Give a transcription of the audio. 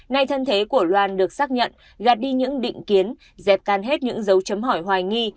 nay thân thế của loan được xác nhận gạt đi những định kiến dẹp tan hết những dấu chấm hỏi hoài nghi